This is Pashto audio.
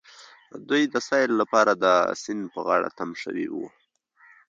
دوی د سيل لپاره د سيند په غاړه تم شوي وو.